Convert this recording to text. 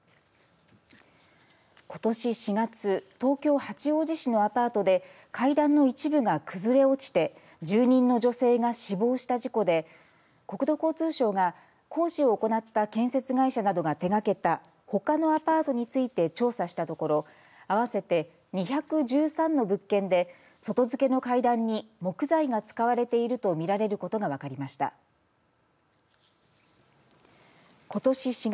ことし４月東京八王子市のアパートで階段の一部が崩れ落ちて住人の女性が死亡した事故で国土交通省が工事を行った建設会社などが手がけたほかのアパートについて調査したところ合わせて２１３の物件で外付けの階段に木材が使われているとみられることが分かりました。